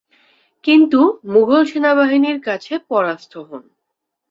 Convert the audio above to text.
কিন্তু মুঘল সেনাবাহিনীর কাছে পরাস্ত হন।